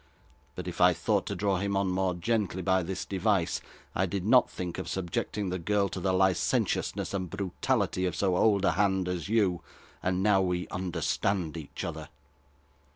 But if I thought to draw him on more gently by this device, I did not think of subjecting the girl to the licentiousness and brutality of so old a hand as you. And now we understand each other.